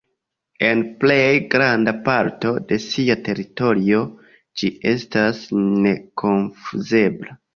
En plej granda parto de sia teritorio ĝi estas nekonfuzebla.